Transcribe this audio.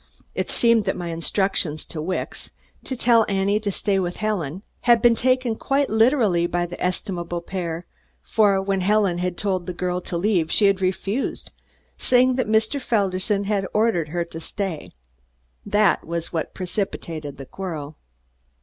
It seemed that my instructions to Wicks, to tell Annie to stay with Helen, had been taken quite literally by that estimable pair, for when Helen had told the girl to leave she had refused, saying that Mr. Felderson had ordered her to stay. That was what had precipitated the quarrel.